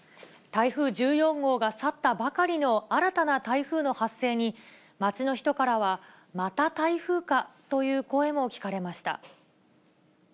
台風１４号が去ったばかりの新たな台風の発生に、街の人からは、また台風かという声も聞かれました。